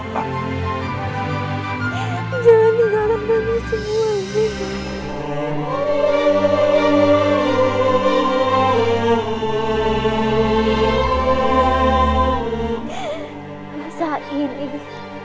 jangan tinggalkan aku semua ibu